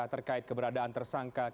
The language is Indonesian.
terkait keberadaan tersangka kasus ott